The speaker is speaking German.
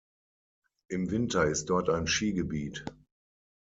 Im Winter ist dort ein Skigebiet.